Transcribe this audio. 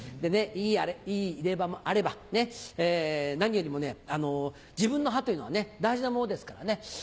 いい入れ歯もあれば何よりも自分の歯というのは大事なものですからね